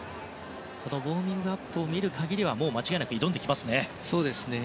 ウォーミングアップを見る限りはもう間違いなく挑んできます。